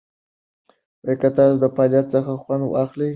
که تاسو د فعالیت څخه خوند واخلئ، رواني آرامۍ به زیاته شي.